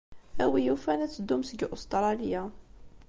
A win yufan ad teddum seg Ustṛalya.